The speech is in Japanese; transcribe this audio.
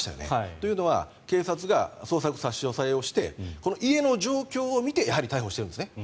というのは警察が捜索、差し押さえをしてこの家の状況を見てやはり逮捕しているんですね。